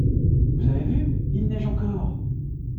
Vous avez vu? Il neige encore!